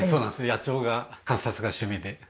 野鳥が観察が趣味で。